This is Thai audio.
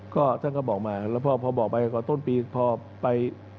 ก็ท่านก็บอกมาแล้วพอบอกไปก็ต้นปีพอไป